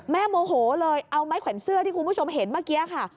โมโหเลยเอาไม้แขวนเสื้อที่คุณผู้ชมเห็นเมื่อกี้ค่ะ